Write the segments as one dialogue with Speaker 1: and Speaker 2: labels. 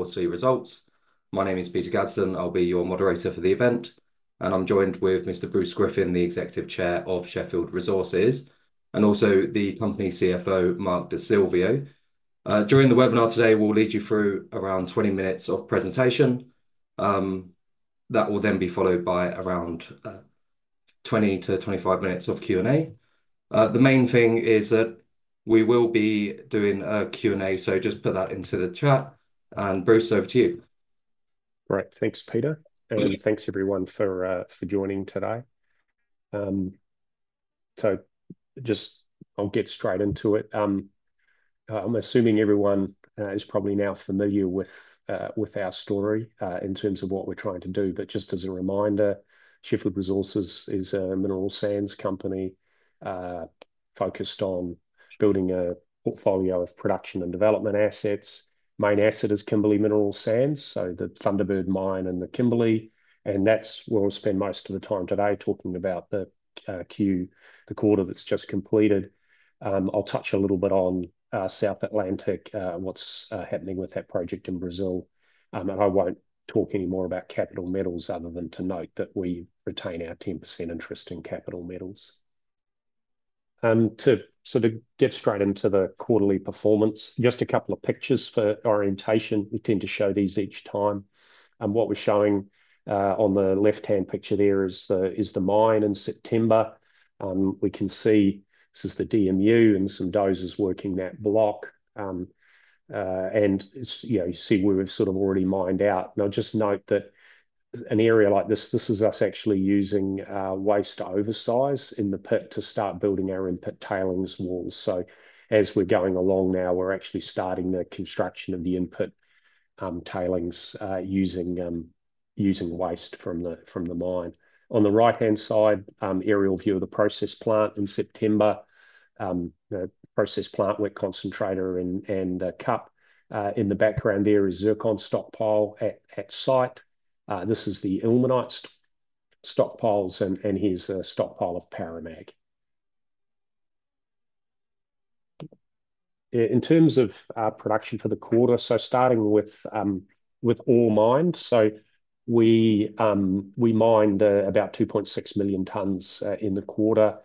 Speaker 1: Quarterly results. My name is Peter Gadsden, I'll be your moderator for the event, and I'm joined with Mr. Bruce Griffin, the Executive Chair of Sheffield Resources, and also the company CFO, Mark Di Silvio. During the webinar today, we'll lead you through around twenty minutes of presentation, that will then be followed by around twenty to twenty-five minutes of Q&A. The main thing is that we will be doing a Q&A, so just put that into the chat, and Bruce, over to you.
Speaker 2: Great. Thanks, Peter-
Speaker 1: Mm-hmm.
Speaker 2: Thanks everyone for joining today. Just, I'll get straight into it. I'm assuming everyone is probably now familiar with our story in terms of what we're trying to do. Just as a reminder, Sheffield Resources is a mineral sands company focused on building a portfolio of production and development assets. Main asset is Kimberley Mineral Sands, so the Thunderbird mine in the Kimberley, and that's where we'll spend most of the time today, talking about the quarter that's just completed. I'll touch a little bit on South Atlantic, what's happening with that project in Brazil. I won't talk any more about Capital Metals, other than to note that we retain our 10% interest in Capital Metals. To sort of get straight into the quarterly performance, just a couple of pictures for orientation. We tend to show these each time, and what we're showing on the left-hand picture there is the mine in September. We can see this is the DMU and some dozers working that block, and as you know, you see where we've sort of already mined out. Now, just note that an area like this, this is us actually using waste oversize in the pit to start building our in-pit tailings walls. So as we're going along now, we're actually starting the construction of the in-pit tailings using waste from the mine. On the right-hand side, aerial view of the process plant in September. The process plant, wet concentrator, and CUP. In the background there is zircon stockpile at site. This is the ilmenite stockpiles, and here's a stockpile of Paramag. In terms of production for the quarter, so starting with ore mined. So we mined about 2.6 million tonnes in the quarter.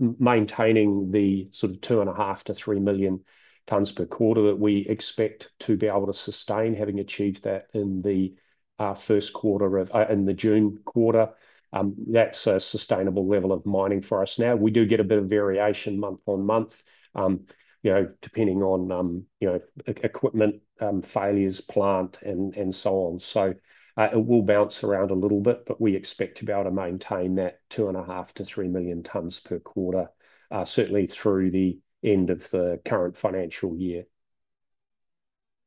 Speaker 2: Maintaining the sort of 2.5-3 million tonnes per quarter that we expect to be able to sustain, having achieved that in the first quarter in the June quarter. That's a sustainable level of mining for us now. We do get a bit of variation month-on-month, you know, depending on, you know, equipment failures, plant, and so on. It will bounce around a little bit, but we expect to be able to maintain that two and a half to three million tonnes per quarter, certainly through the end of the current financial year.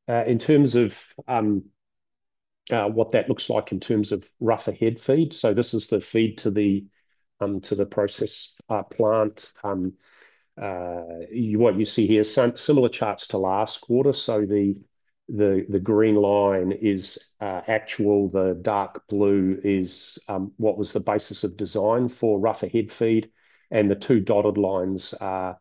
Speaker 2: In terms of what that looks like in terms of rougher head feed, so this is the feed to the to the process plant. What you see here, similar charts to last quarter. So the the the green line is actual, the dark blue is what was the basis of design for rougher head feed, and the two dotted lines are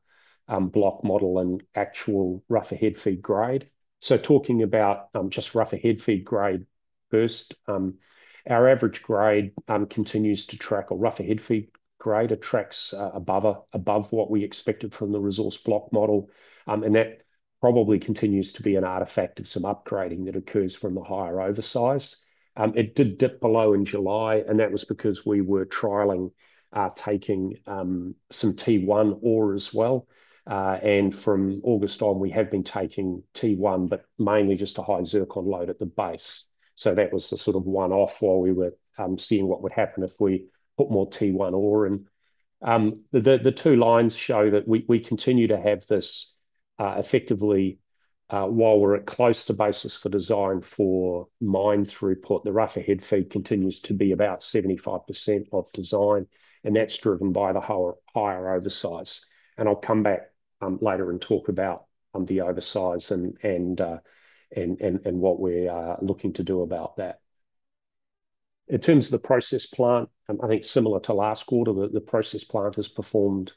Speaker 2: block model and actual rougher head feed grade. So talking about just rougher head feed grade first. Our average grade continues to track, or rougher head feed grade attracts, above what we expected from the resource block model. And that probably continues to be an artifact of some upgrading that occurs from the higher oversize. It did dip below in July, and that was because we were trialing taking some T1 ore as well. And from August on, we have been taking T1, but mainly just a high zircon load at the base. So that was the sort of one-off while we were seeing what would happen if we put more T1 ore in. The two lines show that we continue to have this effectively while we're at close to basis of design for mine throughput, the rougher head feed continues to be about 75% of design, and that's driven by the higher oversize. I'll come back later and talk about the oversize and what we're looking to do about that. In terms of the process plant, I think similar to last quarter, the process plant has performed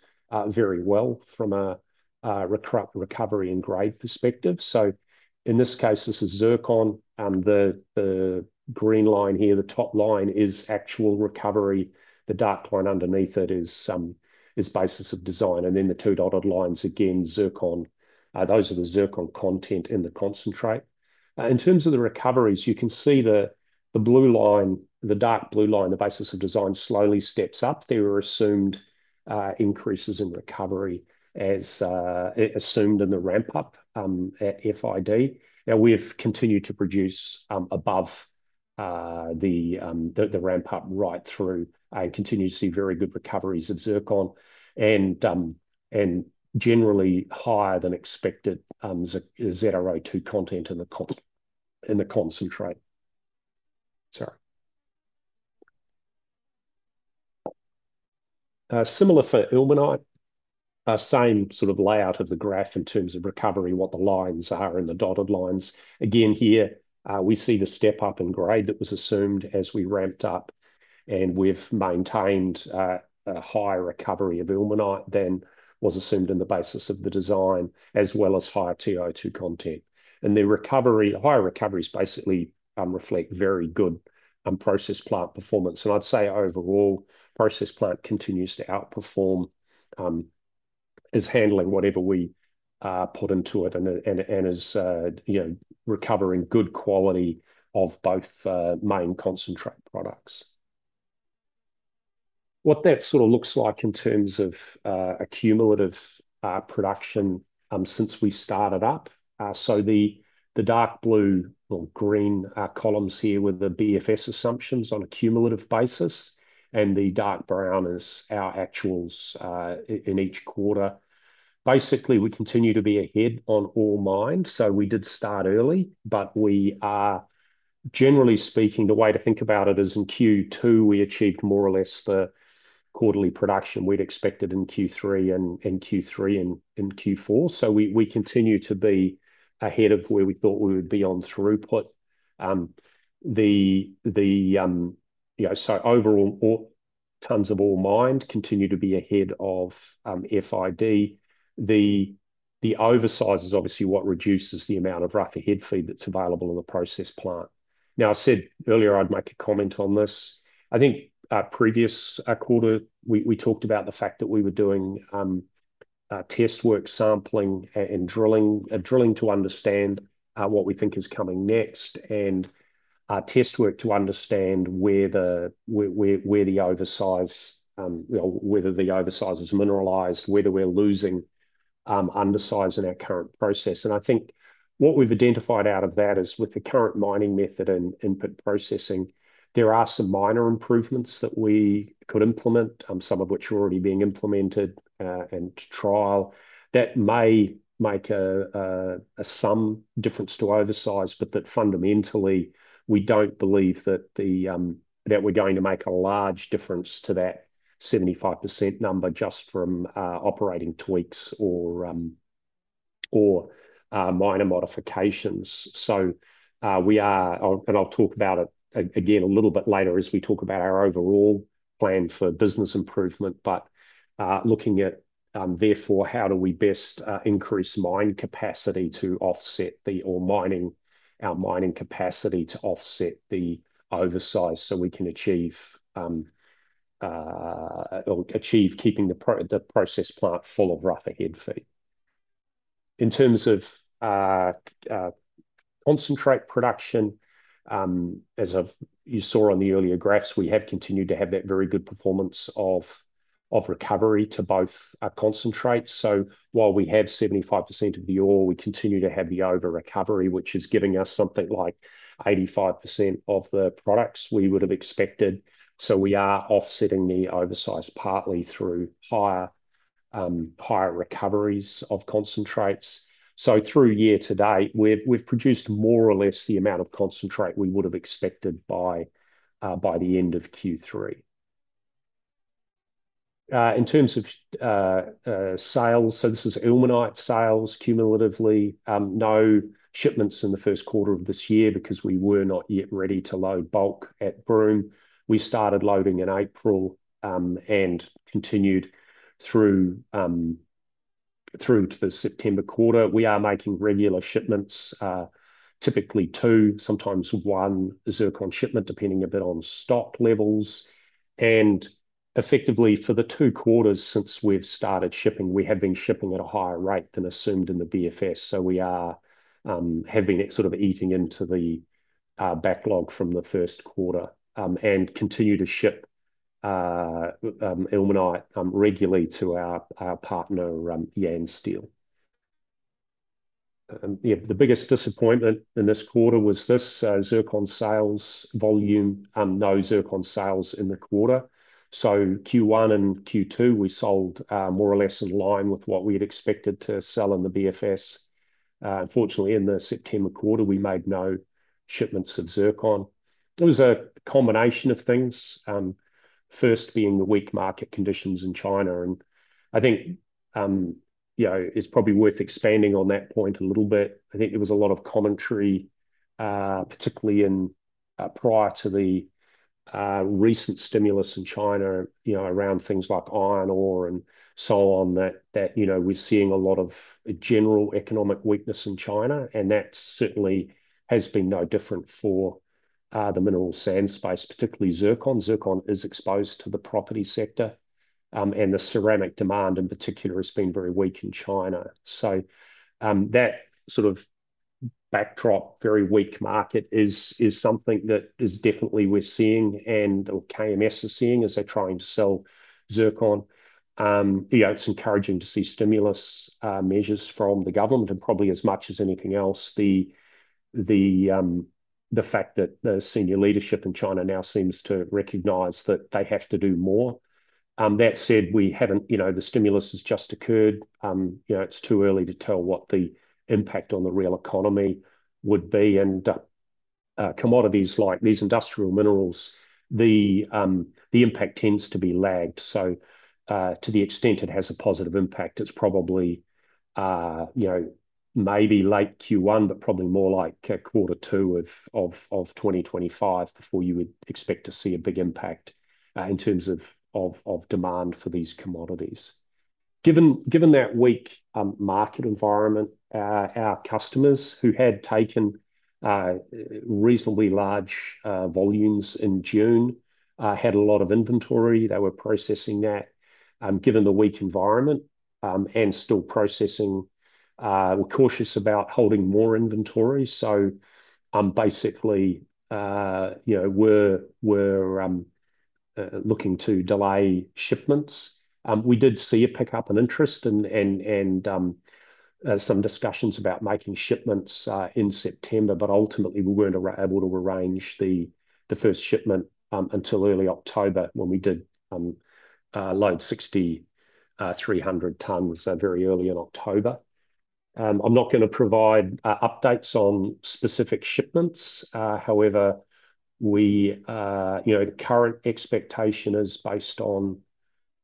Speaker 2: very well from a recovery and grade perspective. In this case, this is zircon. The green line here, the top line, is actual recovery. The dark line underneath it is basis of design, and then the two dotted lines, again, zircon. Those are the zircon content in the concentrate. In terms of the recoveries, you can see the blue line, the dark blue line, the basis of design, slowly steps up. There are assumed increases in recovery, as assumed in the ramp up at FID. And we've continued to produce above the ramp up right through, and continue to see very good recoveries of zircon and generally higher than expected ZrO2 content in the concentrate. Sorry. Similar for ilmenite, same sort of layout of the graph in terms of recovery, what the lines are and the dotted lines. Again, here, we see the step up in grade that was assumed as we ramped up, and we've maintained, a higher recovery of ilmenite than was assumed in the basis of the design, as well as higher TiO2 content. And the recovery, higher recoveries basically, reflect very good, process plant performance. And I'd say overall, process plant continues to outperform, is handling whatever we, put into it, and is, you know, recovering good quality of both, main concentrate products. What that sort of looks like in terms of, a cumulative, production, since we started up. So the, the dark blue or green, columns here with the BFS assumptions on a cumulative basis, and the dark brown is our actuals, in each quarter. Basically, we continue to be ahead on ore mined, so we did start early, but we are. Generally speaking, the way to think about it is in Q2, we achieved more or less the quarterly production we'd expected in Q3 and Q4. So we continue to be ahead of where we thought we would be on throughput. You know, so overall, ore tons of ore mined continue to be ahead of FID. The oversize is obviously what reduces the amount of rougher head feed that's available in the process plant. Now, I said earlier I'd make a comment on this. I think, previous quarter, we talked about the fact that we were doing test work, sampling, and drilling to understand what we think is coming next, and test work to understand where the oversize, you know, whether the oversize is mineralized, whether we're losing undersize in our current process. And I think what we've identified out of that is with the current mining method and input processing, there are some minor improvements that we could implement, some of which are already being implemented, and to trial. That may make some difference to oversize, but that fundamentally, we don't believe that we're going to make a large difference to that 75% number just from operating tweaks or minor modifications. I'll talk about it again a little bit later as we talk about our overall plan for business improvement. But looking at therefore how do we best increase mine capacity to offset the ore mining, our mining capacity to offset the oversize, so we can achieve or achieve keeping the process plant full of rougher head feed. In terms of concentrate production, as you saw on the earlier graphs, we have continued to have that very good performance of recovery to both concentrates. While we have 75% of the ore, we continue to have the over recovery, which is giving us something like 85% of the products we would have expected. We are offsetting the oversize partly through higher recoveries of concentrates. Through year to date, we've produced more or less the amount of concentrate we would have expected by the end of Q3. In terms of sales, this is ilmenite sales cumulatively. No shipments in the first quarter of this year because we were not yet ready to load bulk at Broome. We started loading in April and continued through to the September quarter. We are making regular shipments, typically two, sometimes one zircon shipment, depending a bit on stock levels. Effectively, for the two quarters since we've started shipping, we have been shipping at a higher rate than assumed in the BFS. We have been sort of eating into the backlog from the first quarter and continue to ship ilmenite regularly to our partner Yansteel. Yeah, the biggest disappointment in this quarter was this zircon sales volume, and no zircon sales in the quarter. So Q1 and Q2, we sold more or less in line with what we had expected to sell in the BFS. Unfortunately, in the September quarter, we made no shipments of zircon. It was a combination of things, first being the weak market conditions in China, and I think you know, it's probably worth expanding on that point a little bit. I think there was a lot of commentary, particularly prior to the recent stimulus in China, you know, around things like iron ore and so on, that you know, we're seeing a lot of general economic weakness in China, and that certainly has been no different for the mineral sands space, particularly zircon. Zircon is exposed to the property sector, and the ceramic demand, in particular, has been very weak in China. So, that sort of backdrop, very weak market, is something that is definitely we're seeing and, or KMS is seeing as they're trying to sell zircon. You know, it's encouraging to see stimulus measures from the government, and probably as much as anything else, the fact that the senior leadership in China now seems to recognize that they have to do more. That said, we haven't, you know, the stimulus has just occurred. You know, it's too early to tell what the impact on the real economy would be, and, commodities like these industrial minerals, the impact tends to be lagged. So, to the extent it has a positive impact, it's probably, you know, maybe late Q1, but probably more like quarter two of 2025 before you would expect to see a big impact in terms of demand for these commodities. Given that weak market environment, our customers who had taken reasonably large volumes in June had a lot of inventory. They were processing that, given the weak environment, and still processing were cautious about holding more inventory. So, basically, you know, were looking to delay shipments. We did see a pickup in interest and some discussions about making shipments in September, but ultimately, we weren't able to arrange the first shipment until early October, when we did load 600 tons, so very early in October. I'm not going to provide updates on specific shipments. However, you know, current expectation is based on,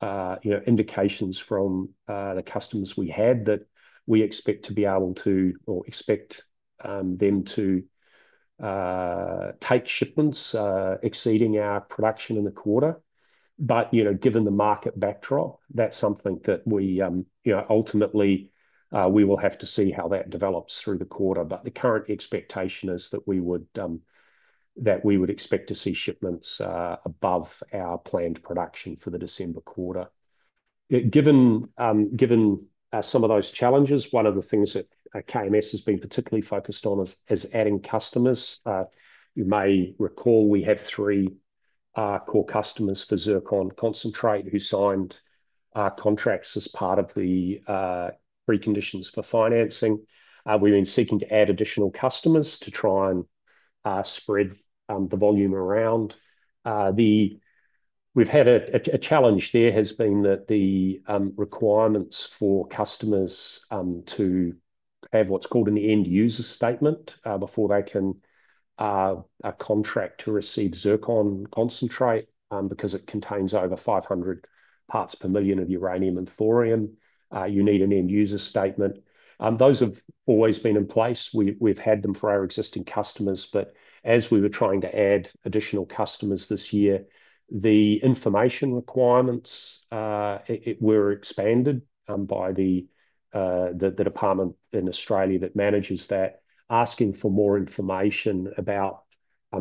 Speaker 2: you know, indications from the customers we had, that we expect to be able to or expect them to take shipments exceeding our production in the quarter. But, you know, given the market backdrop, that's something that we, you know, ultimately, we will have to see how that develops through the quarter. But the current expectation is that we would expect to see shipments above our planned production for the December quarter. Given some of those challenges, one of the things that KMS has been particularly focused on is adding customers. You may recall we have three core customers for zircon concentrate, who signed contracts as part of the preconditions for financing. We've been seeking to add additional customers to try and spread the volume around. The challenge there has been that the requirements for customers to have what's called an end user statement before they can contract to receive zircon concentrate because it contains over 500 parts per million of uranium and thorium. You need an end user statement. Those have always been in place. We've had them for our existing customers, but as we were trying to add additional customers this year, the information requirements were expanded by the department in Australia that manages that, asking for more information about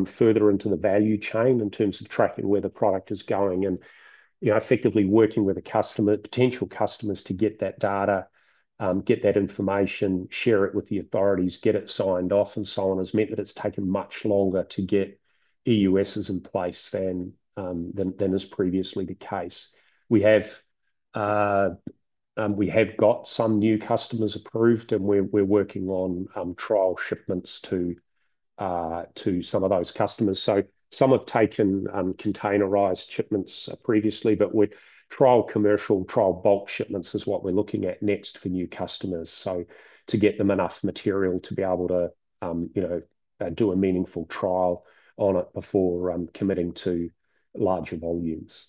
Speaker 2: further into the value chain in terms of tracking where the product is going. You know, effectively working with the customer, potential customers to get that data, get that information, share it with the authorities, get it signed off and so on, has meant that it's taken much longer to get EUSs in place than is previously the case. We have got some new customers approved, and we're working on trial shipments to some of those customers. So some have taken containerized shipments previously, but trial commercial, trial bulk shipments is what we're looking at next for new customers. So to get them enough material to be able to, you know, do a meaningful trial on it before committing to larger volumes.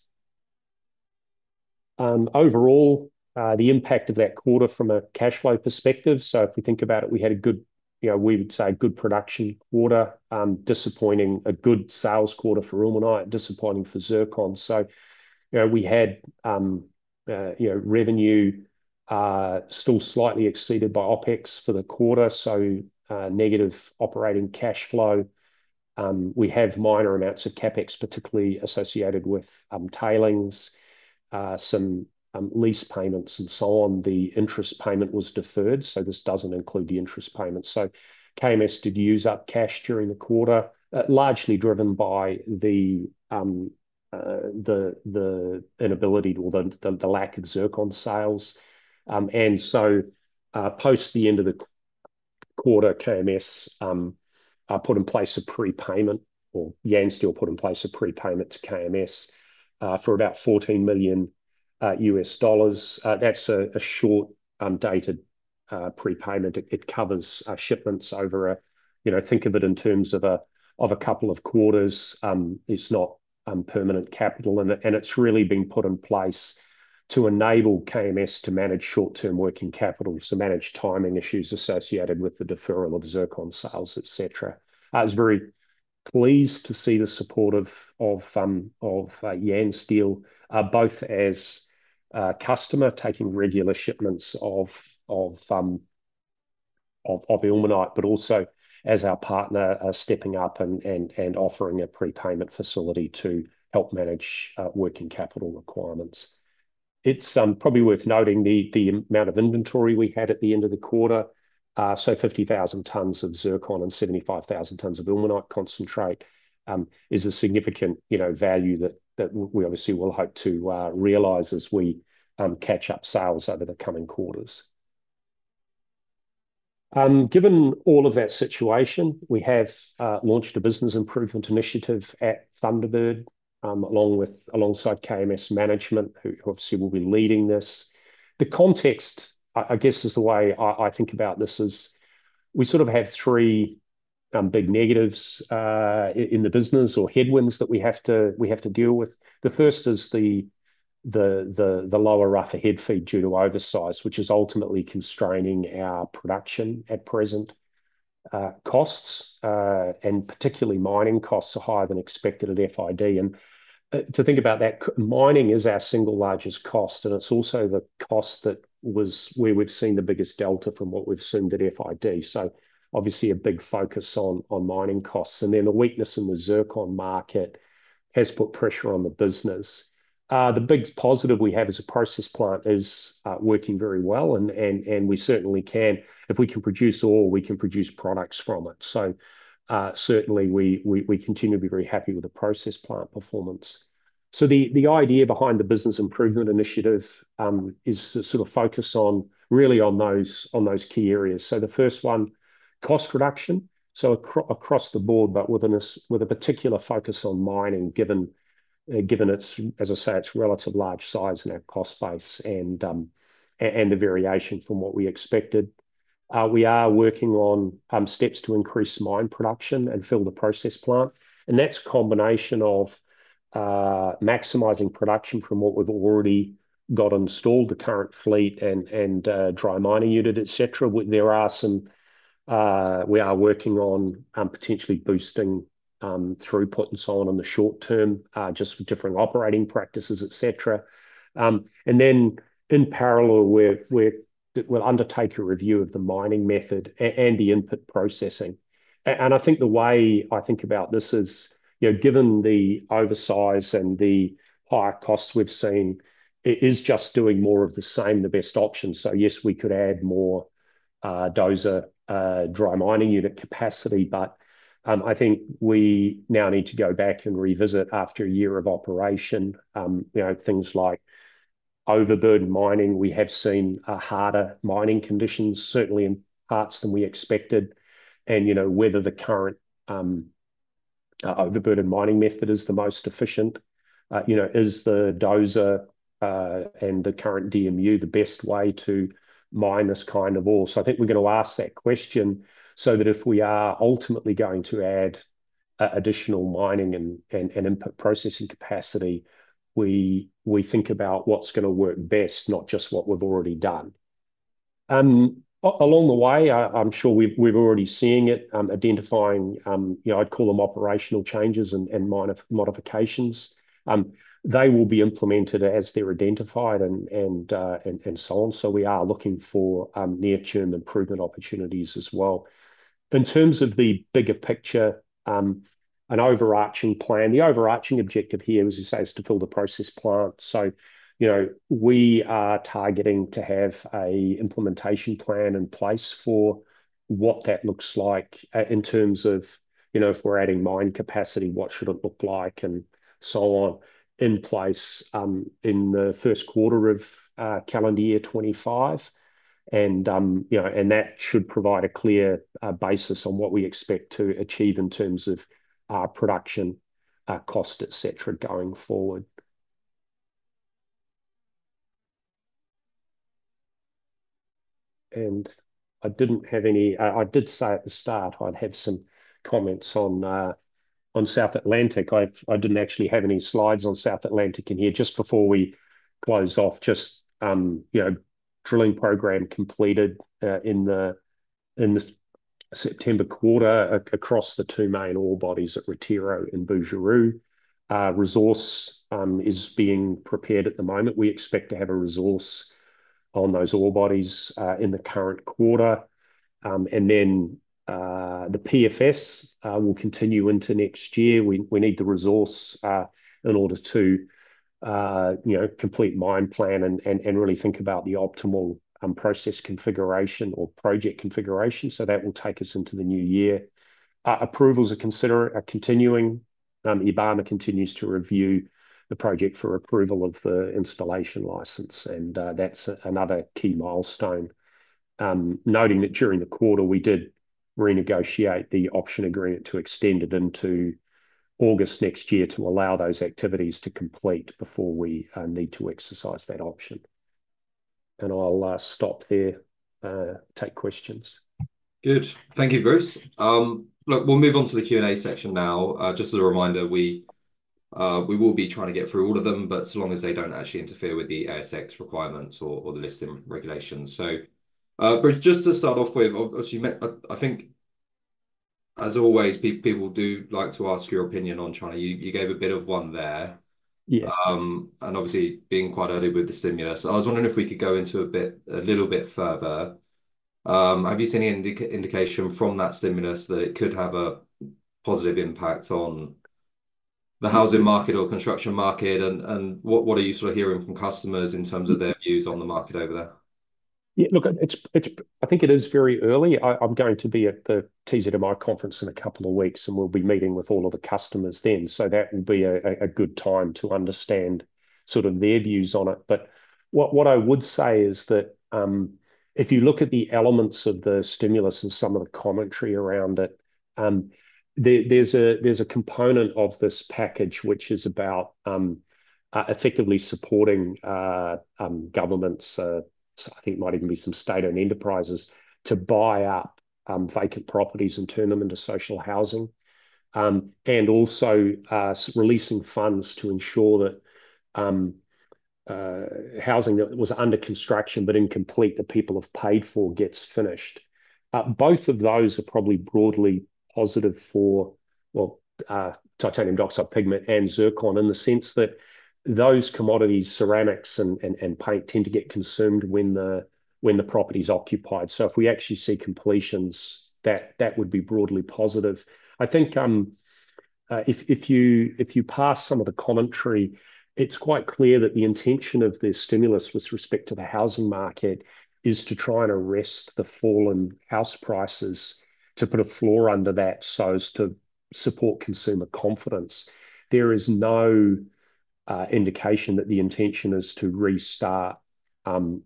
Speaker 2: Overall, the impact of that quarter from a cash flow perspective, so if we think about it, we had a good, you know, we would say a good production quarter. A good sales quarter for ilmenite, disappointing for zircon. So, you know, we had, you know, revenue still slightly exceeded by OpEx for the quarter, so negative operating cash flow. We have minor amounts of CapEx, particularly associated with tailings, some lease payments and so on. The interest payment was deferred, so this doesn't include the interest payment. KMS did use up cash during the quarter, largely driven by the inability or the lack of zircon sales. And so, post the end of the quarter, KMS put in place a prepayment, or Yansteel put in place a prepayment to KMS, for about $14 million. That's a short dated prepayment. It covers shipments over a... You know, think of it in terms of a couple of quarters. It's not permanent capital, and it's really been put in place to enable KMS to manage short-term working capital, so manage timing issues associated with the deferral of zircon sales, et cetera. I was very pleased to see the support of Yansteel, both as a customer, taking regular shipments of ilmenite, but also as our partner, stepping up and offering a prepayment facility to help manage working capital requirements. It's probably worth noting the amount of inventory we had at the end of the quarter. So 50,000 tons of zircon and 75,000 tons of ilmenite concentrate is a significant, you know, value that we obviously will hope to realize as we catch up sales over the coming quarters. Given all of that situation, we have launched a business improvement initiative at Thunderbird, alongside KMS management, who obviously will be leading this. The context, I guess, is the way I think about this is we sort of have three big negatives in the business or headwinds that we have to deal with. The first is the lower rougher head feed due to oversize, which is ultimately constraining our production at present. Costs and particularly mining costs are higher than expected at FID. And to think about that, mining is our single largest cost, and it's also the cost that was where we've seen the biggest delta from what we've assumed at FID. So obviously, a big focus on mining costs. And then the weakness in the zircon market has put pressure on the business. The big positive we have as a process plant is working very well, and we certainly can-- If we can produce ore, we can produce products from it. Certainly, we continue to be very happy with the process plant performance. The idea behind the business improvement initiative is to sort of focus on, really on those key areas. The first one, cost reduction, so across the board, but with a particular focus on mining, given its, as I say, its relative large size and our cost base and the variation from what we expected. We are working on steps to increase mine production and fill the process plant, and that's a combination of maximizing production from what we've already got installed, the current fleet and dry mining unit, et cetera. We are working on potentially boosting throughput and so on in the short term just with different operating practices, et cetera. And then in parallel with we'll undertake a review of the mining method and the input processing. And I think the way I think about this is, you know, given the oversize and the higher costs we've seen, is just doing more of the same, the best option? So yes, we could add more dozer dry mining unit capacity, but I think we now need to go back and revisit after a year of operation, you know, things like overburden mining. We have seen harder mining conditions, certainly in parts than we expected, and you know, whether the current overburden mining method is the most efficient. You know, is the dozer and the current DMU the best way to mine this kind of ore? So I think we're going to ask that question so that if we are ultimately going to add additional mining and input processing capacity, we think about what's going to work best, not just what we've already done. Along the way, I'm sure we're already seeing it, identifying, you know, I'd call them operational changes and minor modifications. They will be implemented as they're identified and so on. So we are looking for near-term improvement opportunities as well. In terms of the bigger picture, an overarching plan. The overarching objective here, as you say, is to fill the process plant. So, you know, we are targeting to have a implementation plan in place for what that looks like, in terms of, you know, if we're adding mine capacity, what should it look like, and so on, in place, in the first quarter of calendar year 2025. And, you know, and that should provide a clear basis on what we expect to achieve in terms of production, cost, et cetera, going forward. And I didn't have any... I did say at the start I'd have some comments on on South Atlantic. I didn't actually have any slides on South Atlantic in here. Just before we close off, just, you know, drilling program completed in the in the September quarter across the two main ore bodies at Retiro and Bujaru. Resource is being prepared at the moment. We expect to have a resource on those ore bodies in the current quarter. And then the PFS will continue into next year. We need the resource in order to you know complete mine plan and really think about the optimal process configuration or project configuration. So that will take us into the new year. Approvals are continuing. IBAMA continues to review the project for approval of the Installation License, and that's another key milestone. Noting that during the quarter, we did renegotiate the option agreement to extend it into August next year to allow those activities to complete before we need to exercise that option. And I'll stop there, take questions.
Speaker 1: Good. Thank you, Bruce. Look, we'll move on to the Q&A section now. Just as a reminder, we will be trying to get through all of them, but so long as they don't actually interfere with the ASX requirements or the listing regulations. So, Bruce, just to start off with, obviously, I think as always, people do like to ask your opinion on China. You gave a bit of one there.
Speaker 2: Yeah.
Speaker 1: And obviously, being quite early with the stimulus, I was wondering if we could go into a bit, a little bit further. Have you seen any indication from that stimulus that it could have a positive impact on the housing market or construction market? And what are you sort of hearing from customers in terms of their views on the market over there?
Speaker 2: Yeah, look, I think it is very early. I'm going to be at the TZMI conference in a couple of weeks, and we'll be meeting with all of the customers then, so that will be a good time to understand sort of their views on it. But what I would say is that, if you look at the elements of the stimulus and some of the commentary around it, there's a component of this package which is about effectively supporting governments. I think it might even be some state-owned enterprises, to buy up vacant properties and turn them into social housing. And also releasing funds to ensure that housing that was under construction but incomplete, that people have paid for, gets finished. Both of those are probably broadly positive for, well, titanium dioxide pigment and zircon, in the sense that those commodities, ceramics and paint, tend to get consumed when the property's occupied. So if we actually see completions, that would be broadly positive. I think, if you pass some of the commentary, it's quite clear that the intention of this stimulus with respect to the housing market, is to try and arrest the fall in house prices, to put a floor under that so as to support consumer confidence. There is no indication that the intention is to restart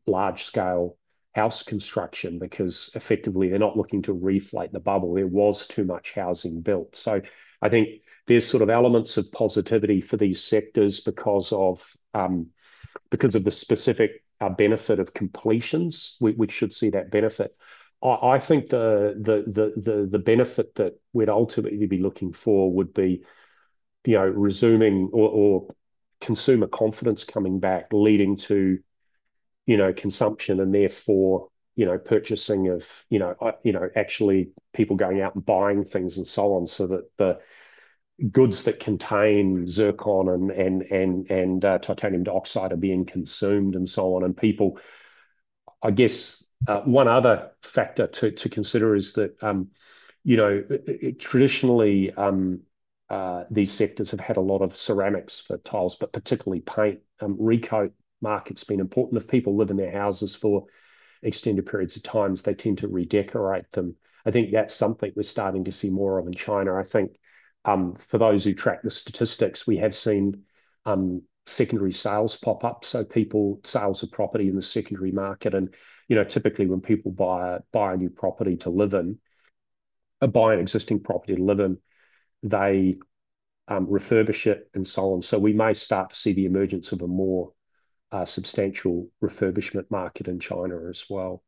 Speaker 2: large-scale house construction, because effectively they're not looking to reflate the bubble. There was too much housing built. So I think there's sort of elements of positivity for these sectors because of the specific benefit of completions. We should see that benefit. I think the benefit that we'd ultimately be looking for would be, you know, resuming or consumer confidence coming back, leading to, you know, consumption and therefore, you know, purchasing of, you know, actually people going out and buying things and so on, so that the goods that contain zircon and titanium dioxide are being consumed, and so on. And people... I guess, one other factor to consider is that, you know, traditionally, these sectors have had a lot of ceramics for tiles, but particularly paint. Recoat market's been important. If people live in their houses for extended periods of times, they tend to redecorate them. I think that's something we're starting to see more of in China. I think for those who track the statistics, we have seen secondary sales pop up, so sales of property in the secondary market, and you know, typically when people buy a new property to live in, or buy an existing property to live in, they refurbish it, and so on, so we may start to see the emergence of a more substantial refurbishment market in China as well,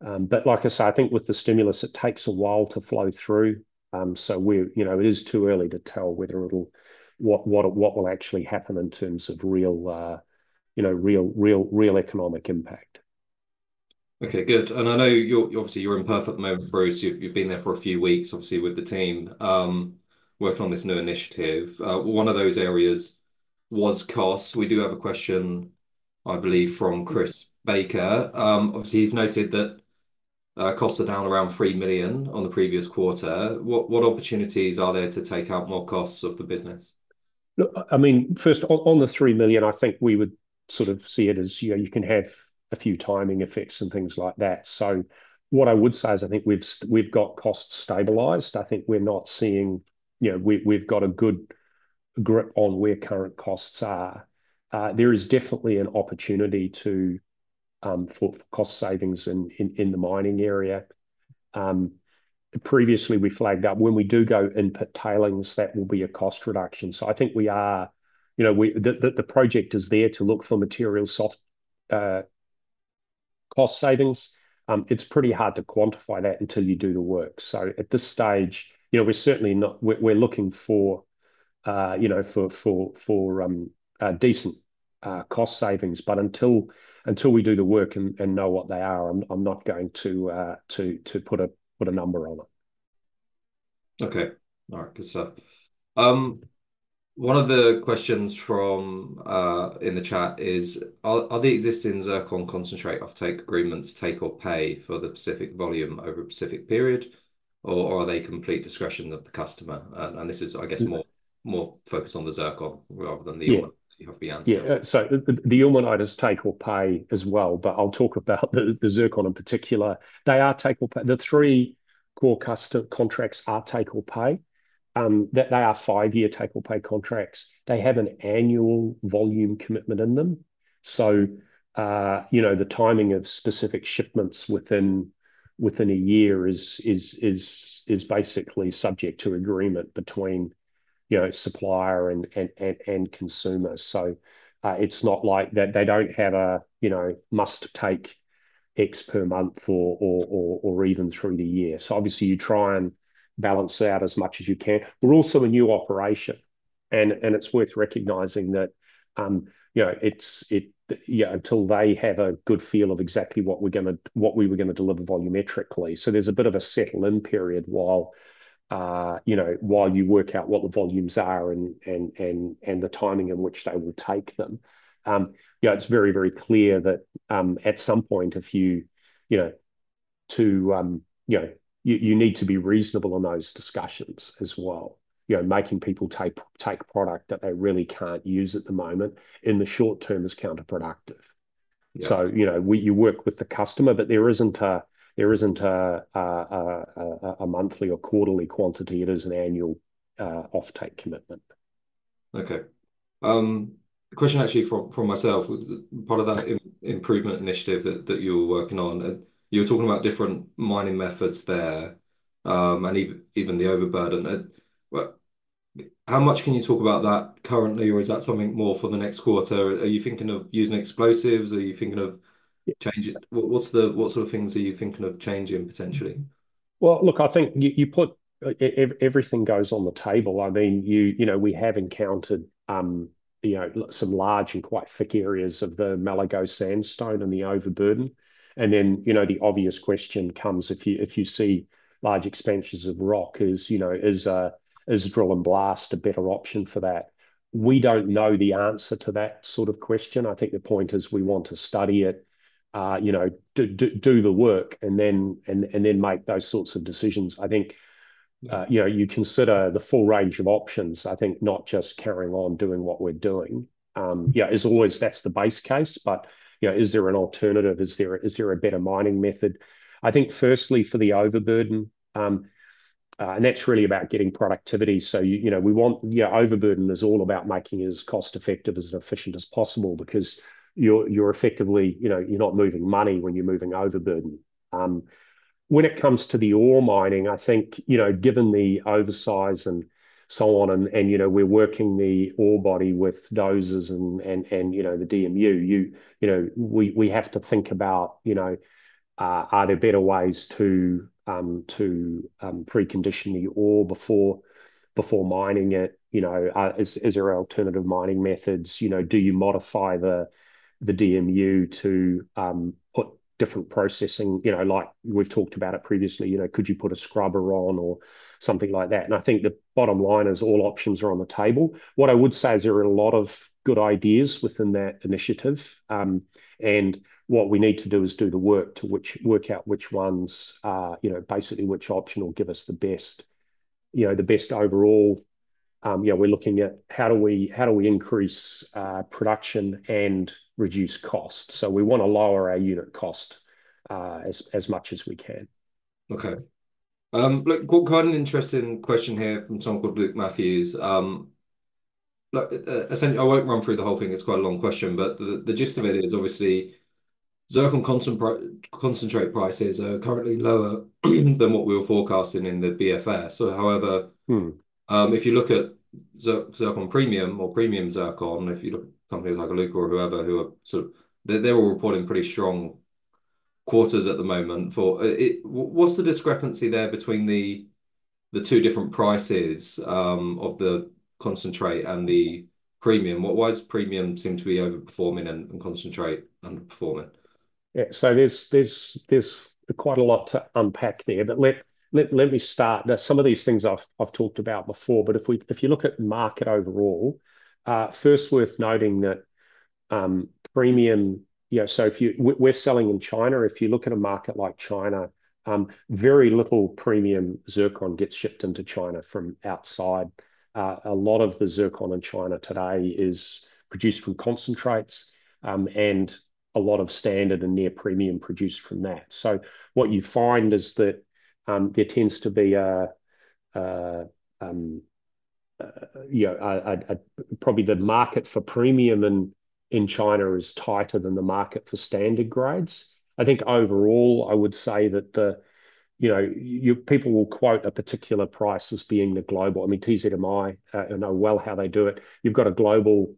Speaker 2: but like I say, I think with the stimulus, it takes a while to flow through, so you know, it is too early to tell whether it'll... What will actually happen in terms of real, you know, real economic impact?
Speaker 1: Okay, good. And I know you're obviously, you're in perfect mode, Bruce. You've been there for a few weeks, obviously, with the team, working on this new initiative. One of those areas was costs. We do have a question, I believe, from Chris Baker. Obviously, he's noted that costs are down around three million on the previous quarter. What opportunities are there to take out more costs of the business?
Speaker 2: Look, I mean, first on the three million, I think we would sort of see it as, you know, you can have a few timing effects and things like that. So what I would say is, I think we've got costs stabilized. I think we're not seeing. You know, we, we've got a good grip on where current costs are. There is definitely an opportunity to for cost savings in the mining area. Previously, we flagged up when we do go in-pit tailings, that will be a cost reduction. So I think we are, you know, the project is there to look for material soft cost savings. It's pretty hard to quantify that until you do the work. So at this stage, you know, we're certainly looking for you know for decent cost savings. But until we do the work and know what they are, I'm not going to put a number on it.
Speaker 1: Okay. All right, good stuff. One of the questions from in the chat is, "Are the existing zircon concentrate offtake agreements take or pay for the specific volume over a specific period, or are they complete discretion of the customer?" And this is, I guess, more-
Speaker 2: Mm...
Speaker 1: more focused on the zircon rather than the-
Speaker 2: Yeah...
Speaker 1: the ilmenite.
Speaker 2: Yeah, so the ilmenite is take or pay as well, but I'll talk about the zircon in particular. They are take or pay. The three core custom contracts are take or pay. They are five-year take or pay contracts. They have an annual volume commitment in them. So, you know, the timing of specific shipments within a year is basically subject to agreement between, you know, supplier and consumers. So, it's not like... They don't have a, you know, must take X per month or even through the year. So obviously you try and balance out as much as you can. We're also a new operation, and it's worth recognising that, you know, it's, it... Yeah, until they have a good feel of exactly what we're going to, what we were going to deliver volumetrically. So there's a bit of a settle-in period while you know, while you work out what the volumes are and the timing in which they will take them. You know, it's very, very clear that at some point if you you know, to. You know, you need to be reasonable in those discussions as well. You know, making people take product that they really can't use at the moment, in the short term is counterproductive.
Speaker 1: Yeah.
Speaker 2: You know, you work with the customer, but there isn't a monthly or quarterly quantity. It is an annual offtake commitment.
Speaker 1: Okay. The question actually from myself, part of that improvement initiative that you're working on. You were talking about different mining methods there, and even the overburden. How much can you talk about that currently, or is that something more for the next quarter? Are you thinking of using explosives? Are you thinking of changing? What sort of things are you thinking of changing potentially?
Speaker 2: Well, look, I think you put everything goes on the table. I mean, you know, we have encountered, you know, some large and quite thick areas of the Melligo Sandstone and the overburden. And then, you know, the obvious question comes, if you see large expansions of rock, is, you know, is drill and blast a better option for that? We don't know the answer to that sort of question. I think the point is we want to study it, you know, do the work and then make those sorts of decisions. I think, you know, you consider the full range of options, I think not just carrying on doing what we're doing. Yeah, as always, that's the base case, but, you know, is there an alternative? Is there, is there a better mining method? I think firstly for the overburden, and that's really about getting productivity. So, you know, we want... Yeah, overburden is all about making it as cost-effective, as efficient as possible, because you're effectively, you know, you're not moving money when you're moving overburden. When it comes to the ore mining, I think, you know, given the oversize and so on, and, you know, we're working the ore body with dozers and, you know, the DMU, you know, we have to think about, you know, are there better ways to precondition the ore before mining it? You know, is there alternative mining methods? You know, do you modify the DMU to put different processing? You know, like we've talked about it previously, you know, could you put a scrubber on or something like that? And I think the bottom line is all options are on the table. What I would say is there are a lot of good ideas within that initiative, and what we need to do is do the work to work out which ones, you know, basically which option will give us the best, you know, the best overall. You know, we're looking at how do we increase production and reduce cost? So we want to lower our unit cost, as much as we can.
Speaker 1: Okay. Look, got an interesting question here from someone called Luke Matthews. Look, essentially, I won't run through the whole thing, it's quite a long question, but the gist of it is obviously zircon concentrate prices are currently lower than what we were forecasting in the BFS. So, however-
Speaker 2: Hmm
Speaker 1: If you look at zircon premium or premium zircon, if you look at companies like Iluka or whoever, they're all reporting pretty strong quarters at the moment. What's the discrepancy there between the two different prices of the concentrate and the premium? Why does premium seem to be overperforming and concentrate underperforming?
Speaker 2: Yeah. So there's quite a lot to unpack there, but let me start. Now, some of these things I've talked about before, but if you look at the market overall, first worth noting that premium, you know, we're selling in China. If you look at a market like China, very little premium zircon gets shipped into China from outside. A lot of the zircon in China today is produced from concentrates, and a lot of standard and near premium produced from that. So what you find is that there tends to be a, you know, probably the market for premium in China is tighter than the market for standard grades. I think overall, I would say that the... You know, people will quote a particular price as being the global. I mean, TZMI, I know well how they do it. You've got a global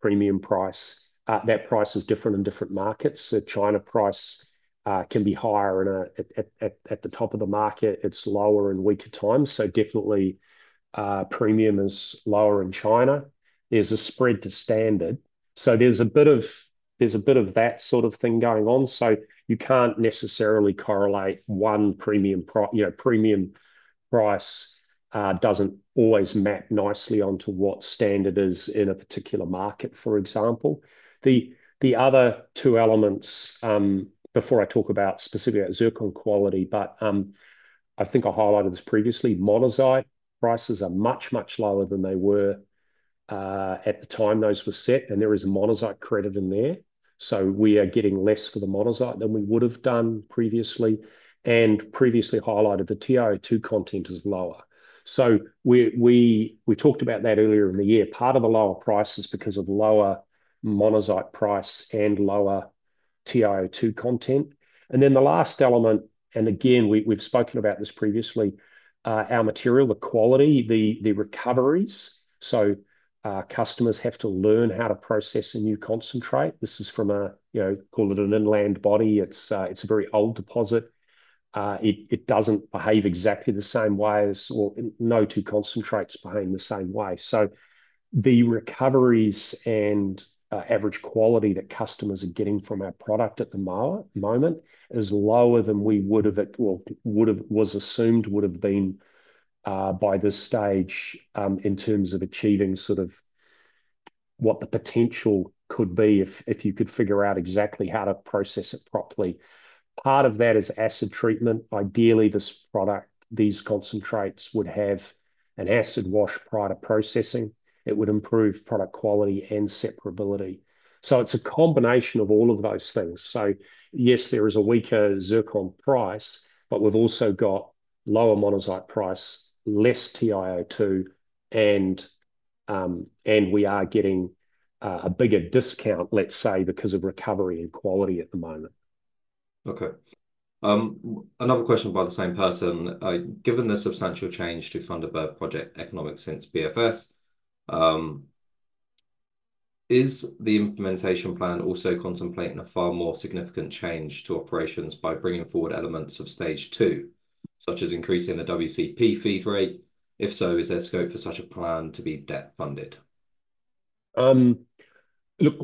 Speaker 2: premium price. That price is different in different markets. The China price can be higher and, at the top of the market, it's lower in weaker times. So definitely, premium is lower in China. There's a spread to standard, so there's a bit of that sort of thing going on, so you can't necessarily correlate one premium price. You know, premium price doesn't always map nicely onto what standard is in a particular market, for example. The other two elements before I talk about specifically about zircon quality, but I think I highlighted this previously. Monazite prices are much, much lower than they were at the time those were set, and there is a monazite credit in there, so we are getting less for the monazite than we would have done previously. Previously highlighted, the TiO2 content is lower. So we talked about that earlier in the year. Part of the lower price is because of lower monazite price and lower TiO2 content. Then the last element, and again, we've spoken about this previously, our material, the quality, the recoveries. So customers have to learn how to process a new concentrate. This is from a, you know, call it an inland body. It's a very old deposit. It doesn't behave exactly the same way as... or no two concentrates behave the same way. So the recoveries and average quality that customers are getting from our product at the moment is lower than we would've or was assumed would've been by this stage in terms of achieving sort of what the potential could be if you could figure out exactly how to process it properly. Part of that is acid treatment. Ideally, this product, these concentrates, would have an acid wash prior to processing. It would improve product quality and separability. So it's a combination of all of those things. So yes, there is a weaker zircon price, but we've also got lower monazite price, less TiO2, and and we are getting a bigger discount, let's say, because of recovery and quality at the moment....
Speaker 1: Okay. Another question by the same person. Given the substantial change to fundable project economics since BFS, is the implementation plan also contemplating a far more significant change to operations by bringing forward elements of stage two, such as increasing the WCP feed rate? If so, is there scope for such a plan to be debt-funded?
Speaker 2: Look,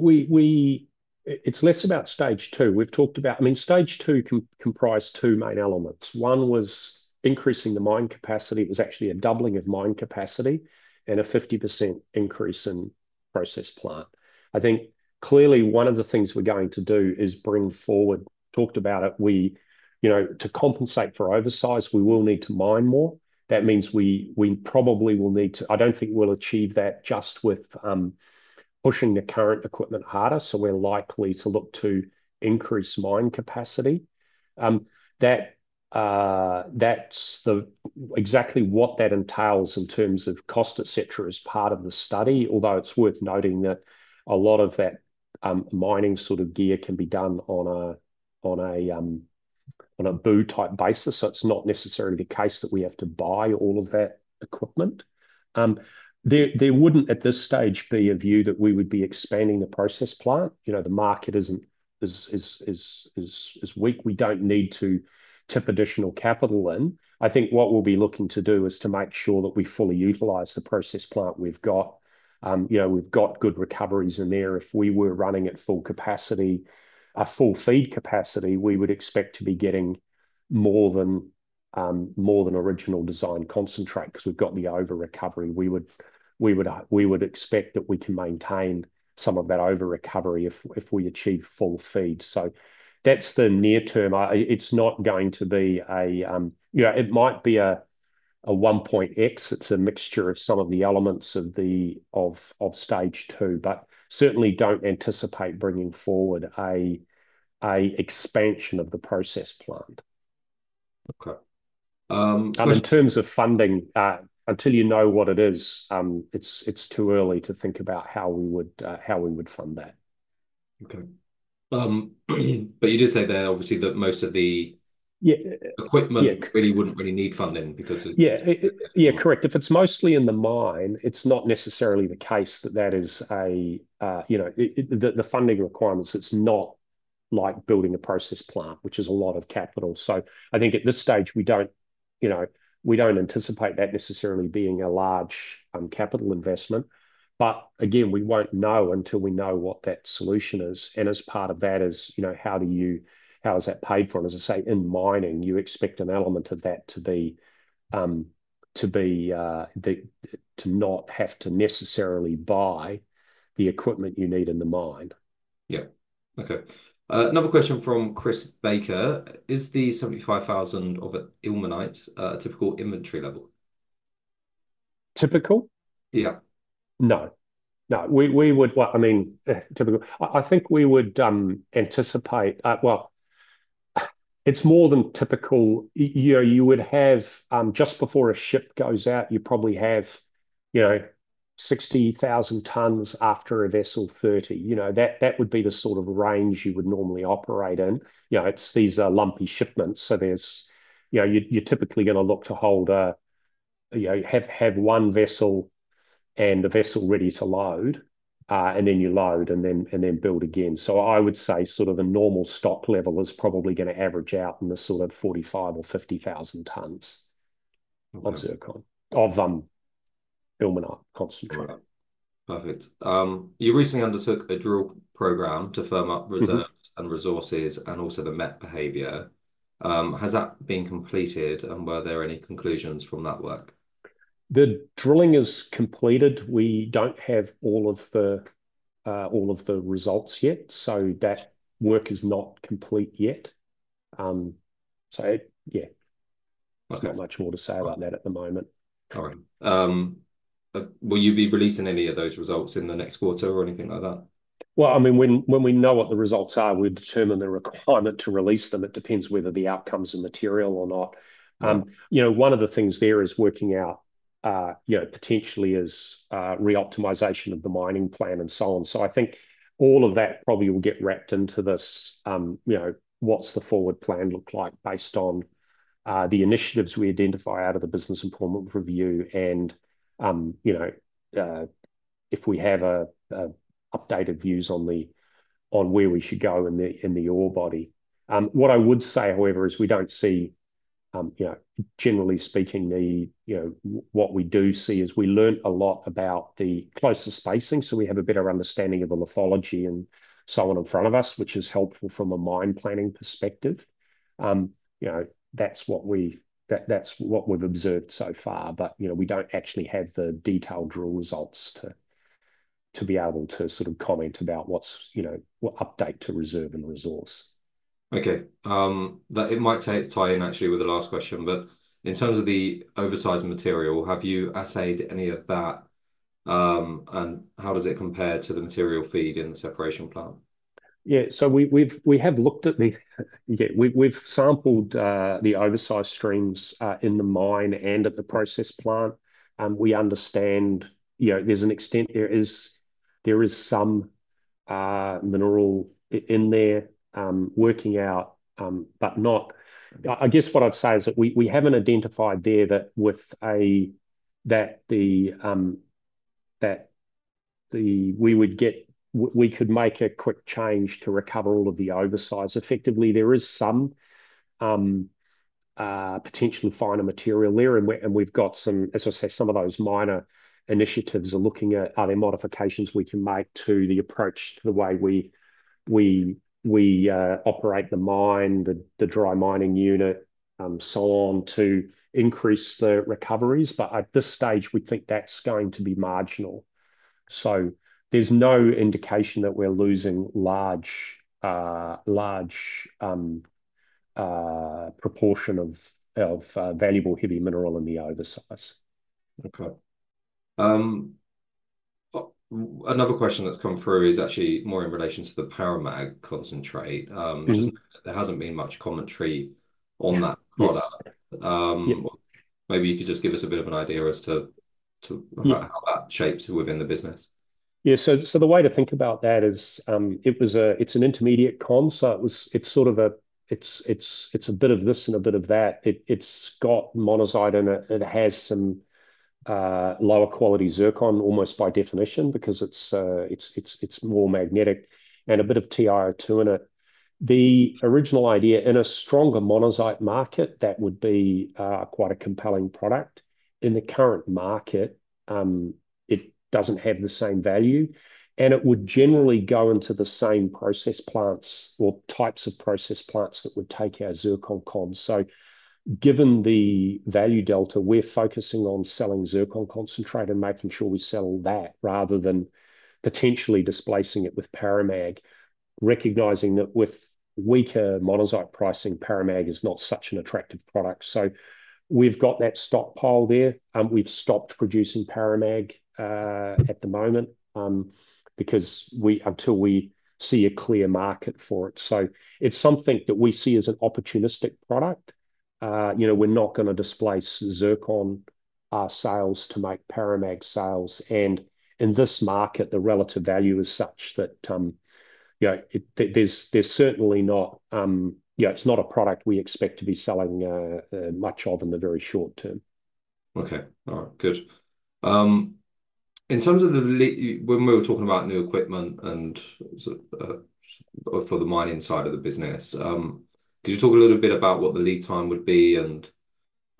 Speaker 2: it's less about stage two. We've talked about it. I mean, stage two comprised two main elements. One was increasing the mine capacity. It was actually a doubling of mine capacity and a 50% increase in process plant. I think clearly one of the things we're going to do is bring forward, talked about it, we, you know, to compensate for oversize, we will need to mine more. That means we probably will need to. I don't think we'll achieve that just with pushing the current equipment harder, so we're likely to look to increase mine capacity. That's exactly what that entails in terms of cost, et cetera, is part of the study. Although it's worth noting that a lot of that mining sort of gear can be done on a BOO-type basis. So it's not necessarily the case that we have to buy all of that equipment. There wouldn't, at this stage, be a view that we would be expanding the process plant. You know, the market isn't weak. We don't need to tip additional capital in. I think what we'll be looking to do is to make sure that we fully utilize the process plant we've got. You know, we've got good recoveries in there. If we were running at full capacity, a full feed capacity, we would expect to be getting more than original design concentrate, because we've got the over-recovery. We would expect that we can maintain some of that over-recovery if we achieve full feed. So that's the near term. It's not going to be a... You know, it might be a one point X. It's a mixture of some of the elements of stage two, but certainly don't anticipate bringing forward a expansion of the process plant.
Speaker 1: Okay, um-
Speaker 2: In terms of funding, until you know what it is, it's too early to think about how we would fund that.
Speaker 1: Okay, but you did say that obviously, that most of the-
Speaker 2: Yeah...
Speaker 1: equipment really wouldn't need funding because it-
Speaker 2: Yeah. Yeah, correct. If it's mostly in the mine, it's not necessarily the case that that is a, you know. The funding requirements, it's not like building a process plant, which is a lot of capital. So I think at this stage, we don't, you know, we don't anticipate that necessarily being a large capital investment. But again, we won't know until we know what that solution is. And as part of that is, you know, how do you- how is that paid for? And as I say, in mining, you expect an element of that to be to not have to necessarily buy the equipment you need in the mine.
Speaker 1: Yeah. Okay. Another question from Chris Baker: Is the 75,000 of ilmenite a typical inventory level?
Speaker 2: Typical?
Speaker 1: Yeah.
Speaker 2: No, no. We would, well, I mean, typical. I think we would anticipate. Well, it's more than typical. You know, you would have just before a ship goes out, you probably have, you know, 60,000 tonnes, after a vessel, 30. You know, that would be the sort of range you would normally operate in. You know, it's these are lumpy shipments, so there's, you know, you're typically going to look to hold a, you know, have one vessel and the vessel ready to load, and then you load, and then build again. So I would say sort of a normal stock level is probably going to average out in the sort of 45 or 50,000 tonnes-
Speaker 1: Okay...
Speaker 2: of ilmenite concentrate.
Speaker 1: Perfect. You recently undertook a drill program to firm up-
Speaker 2: Mm-hmm...
Speaker 1: reserves and resources and also the met behavior. Has that been completed, and were there any conclusions from that work?
Speaker 2: The drilling is completed. We don't have all of the results yet, so that work is not complete yet, so yeah.
Speaker 1: Okay.
Speaker 2: There's not much more to say about that at the moment.
Speaker 1: All right. Will you be releasing any of those results in the next quarter or anything like that?
Speaker 2: Well, I mean, when we know what the results are, we determine the requirement to release them. It depends whether the outcomes are material or not.
Speaker 1: Mm.
Speaker 2: You know, one of the things there is working out, you know, potentially is reoptimization of the mining plan and so on. So I think all of that probably will get wrapped into this, you know, what's the forward plan look like based on the initiatives we identify out of the business improvement review and, you know, if we have a updated views on the- on where we should go in the, in the ore body. What I would say, however, is we don't see, you know, generally speaking, the, you know. What we do see is we learn a lot about the closer spacing, so we have a better understanding of the lithology and so on in front of us, which is helpful from a mine planning perspective. You know, that's what we've observed so far, but, you know, we don't actually have the detailed drill results to be able to sort of comment about what's, you know, what update to reserve and resource.
Speaker 1: Okay, but it might tie in actually with the last question, but in terms of the oversize material, have you assayed any of that, and how does it compare to the material feed in the separation plant?
Speaker 2: Yeah, so we've sampled the oversize streams in the mine and at the process plant. And we understand, you know, there's an extent, there is some mineral in there, working out, but not. I guess what I'd say is that we haven't identified that we could make a quick change to recover all of the oversize. Effectively, there is some potentially finer material there, and we've got some, as I say, some of those minor initiatives are looking at are there modifications we can make to the approach to the way we operate the mine, the dry mining unit, so on, to increase the recoveries. But at this stage, we think that's going to be marginal. So there's no indication that we're losing large proportion of valuable heavy mineral in the oversize.
Speaker 1: Okay. Another question that's come through is actually more in relation to the Paramag concentrate.
Speaker 2: Mm-hmm.
Speaker 1: Just there hasn't been much commentary on that.
Speaker 2: Yes...
Speaker 1: product.
Speaker 2: Yeah.
Speaker 1: Maybe you could just give us a bit of an idea as to.
Speaker 2: Yeah
Speaker 1: How that shapes within the business.
Speaker 2: Yeah, so the way to think about that is, it's an intermediate con. It's sort of a bit of this and a bit of that. It's got monazite in it. It has some lower quality zircon, almost by definition, because it's more magnetic, and a bit of TiO2 in it. The original idea, in a stronger monazite market, that would be quite a compelling product. In the current market, it doesn't have the same value, and it would generally go into the same process plants or types of process plants that would take our zircon cons. So given the value delta, we're focusing on selling Zircon concentrate and making sure we sell that, rather than potentially displacing it with Paramag, recognizing that with weaker Monazite pricing, Paramag is not such an attractive product. So we've got that stockpile there, and we've stopped producing Paramag at the moment, because until we see a clear market for it. So it's something that we see as an opportunistic product. You know, we're not gonna displace Zircon sales to make Paramag sales. And in this market, the relative value is such that, you know, there's certainly not... You know, it's not a product we expect to be selling much of in the very short term.
Speaker 1: Okay. All right. Good. In terms of the lead time when we were talking about new equipment and sort of for the mining side of the business, could you talk a little bit about what the lead time would be and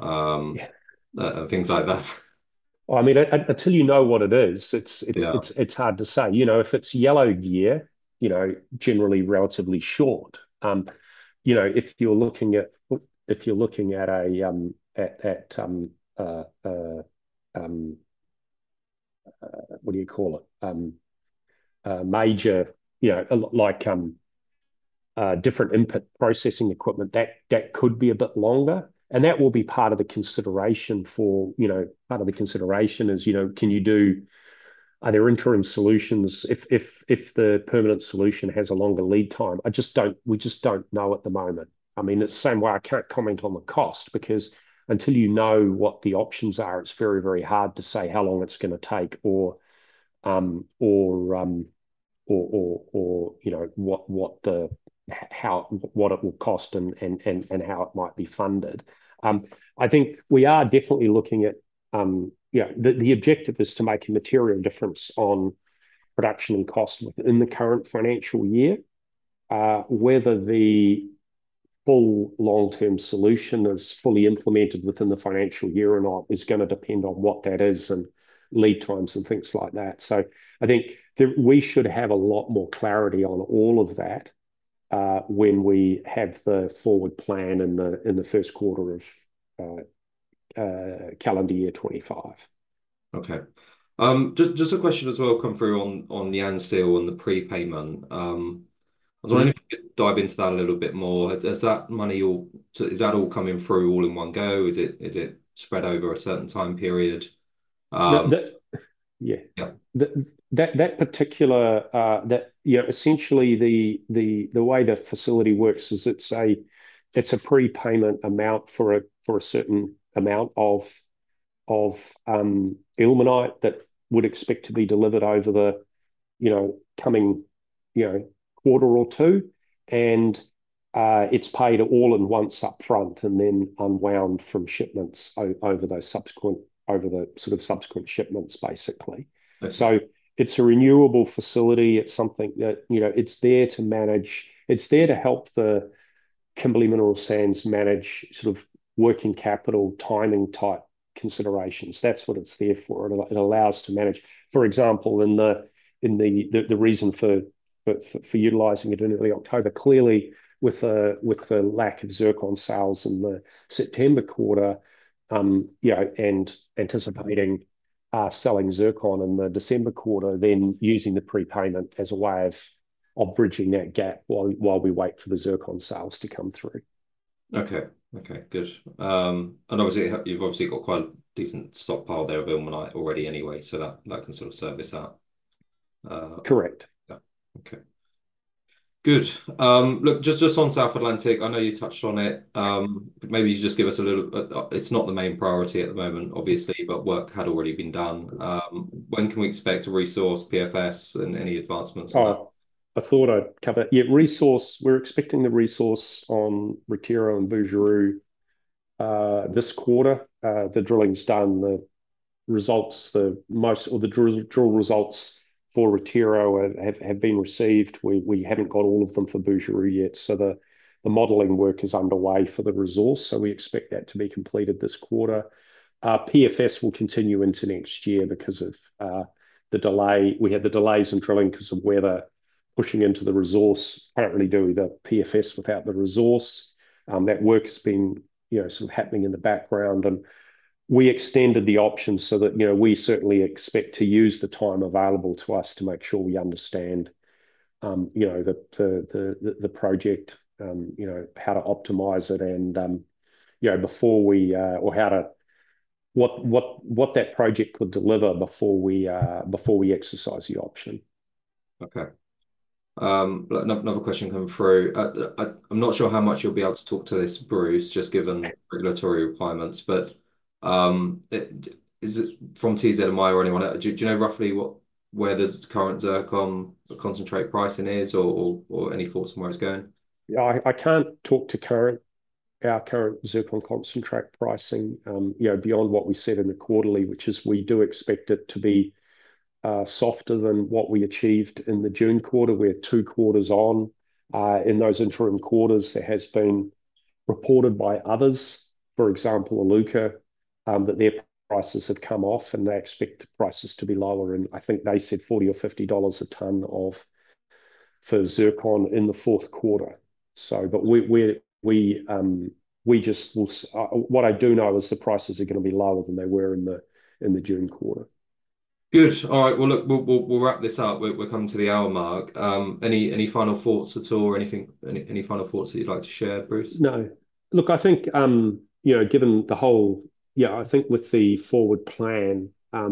Speaker 2: Yeah...
Speaker 1: things like that?
Speaker 2: Well, I mean, until you know what it is, it's, it's-
Speaker 1: Yeah...
Speaker 2: it's hard to say. You know, if it's yellow gear, you know, generally relatively short. You know, if you're looking at a major, like, a different input processing equipment, that could be a bit longer, and that will be part of the consideration, you know. Part of the consideration is, you know, are there interim solutions if the permanent solution has a longer lead time? We just don't know at the moment. I mean, it's the same way I can't comment on the cost because until you know what the options are, it's very, very hard to say how long it's gonna take or you know what it will cost and how it might be funded. I think we are definitely looking at you know the objective is to make a material difference on production and cost within the current financial year. Whether the full long-term solution is fully implemented within the financial year or not is gonna depend on what that is and lead times and things like that. So I think that we should have a lot more clarity on all of that when we have the forward plan in the first quarter of calendar year 2025.
Speaker 1: Okay. Just a question as well come through on the Yansteel on the prepayment.
Speaker 2: Yeah.
Speaker 1: I was wondering if you could dive into that a little bit more. Has that money all, so is that all coming through all in one go? Is it spread over a certain time period?
Speaker 2: That... Yeah.
Speaker 1: Yeah.
Speaker 2: That particular, you know, essentially the way the facility works is it's a prepayment amount for a certain amount of ilmenite that would expect to be delivered over the, you know, coming quarter or two. And it's paid all at once upfront and then unwound from shipments over those subsequent, over the sort of subsequent shipments, basically.
Speaker 1: Okay.
Speaker 2: So it's a renewable facility. It's something that, you know, it's there to manage. It's there to help the Kimberley Mineral Sands manage sort of working capital, timing-type considerations. That's what it's there for. It allows to manage. For example, the reason for utilizing it in early October, clearly with the lack of zircon sales in the September quarter, you know, and anticipating selling zircon in the December quarter, then using the prepayment as a way of bridging that gap while we wait for the zircon sales to come through.
Speaker 1: Okay. Okay, good. And obviously, you've obviously got quite a decent stockpile there of ilmenite already anyway, so that can sort of service that.
Speaker 2: Correct.
Speaker 1: Yeah. Okay. Good. Look, just on South Atlantic, I know you touched on it, but maybe you just give us a little. It's not the main priority at the moment, obviously, but work had already been done. When can we expect to resource, PFS and any advancements on that?
Speaker 2: Oh, I thought I'd cover it. Yeah, resource, we're expecting the resource on Retiro and Bujaru this quarter. The drilling's done, the results, the drill results for Retiro have been received. We haven't got all of them for Bujaru yet, so the modeling work is underway for the resource, so we expect that to be completed this quarter. PFS will continue into next year because of the delay. We had the delays in drilling because of weather pushing into the resource. Can't really do the PFS without the resource. That work has been, you know, sort of happening in the background, and we extended the option so that, you know, we certainly expect to use the time available to us to make sure we understand, you know, the project, you know, how to optimize it and, you know, what that project could deliver before we exercise the option.
Speaker 1: Okay. Another question comes through. I'm not sure how much you'll be able to talk to this, Bruce, just given regulatory requirements, but is it from TZMI or anyone? Do you know roughly where the current zircon concentrate pricing is or any thoughts on where it's going?
Speaker 2: Yeah, I can't talk to our current zircon concentrate pricing, you know, beyond what we said in the quarterly, which is we do expect it to be softer than what we achieved in the June quarter. We're two quarters on. In those interim quarters, there has been reported by others, for example, Iluka, that their prices had come off, and they expect prices to be lower, and I think they said $40 or $50 a ton of, for zircon in the fourth quarter. So, what I do know is the prices are gonna be lower than they were in the June quarter.
Speaker 1: Good. All right, well, look, we'll wrap this up. We're coming to the hour mark. Any final thoughts at all or anything, any final thoughts that you'd like to share, Bruce?
Speaker 2: No. Look, I think, you know, given the whole. Yeah, I think with the forward plan, you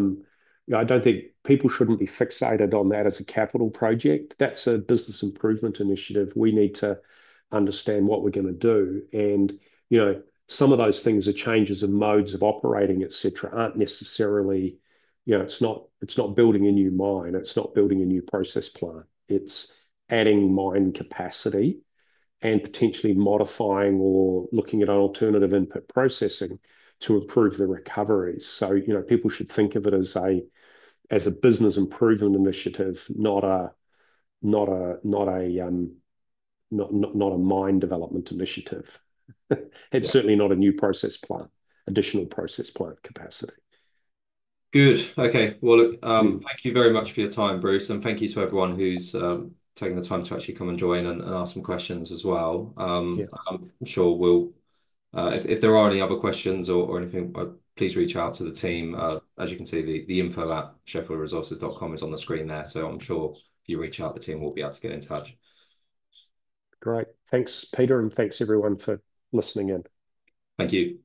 Speaker 2: know, I don't think people shouldn't be fixated on that as a capital project. That's a business improvement initiative. We need to understand what we're gonna do. And you know, some of those things are changes in modes of operating, et cetera, aren't necessarily. You know, it's not building a new mine, it's not building a new process plant. It's adding mine capacity and potentially modifying or looking at alternative input processing to improve the recovery. So you know, people should think of it as a business improvement initiative, not a mine development initiative. And certainly not a new process plant, additional process plant capacity.
Speaker 1: Good. Okay. Well, look, thank you very much for your time, Bruce, and thank you to everyone who's taking the time to actually come and join and ask some questions as well.
Speaker 2: Yeah.
Speaker 1: I'm sure we'll... if there are any other questions or anything, please reach out to the team. As you can see, the info@sheffieldresources.com is on the screen there. So I'm sure if you reach out, the team will be able to get in touch.
Speaker 2: Great. Thanks, Peter, and thanks everyone for listening in.
Speaker 1: Thank you.